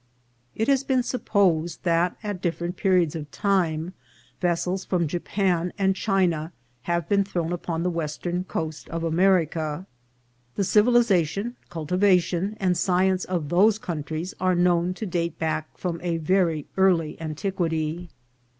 It has been supposed that at different periods of time vessels from Japan and China have been thrown upon the western coast of America. The civilization, culti vation, and science of those countries are known to date back from a very early antiquity.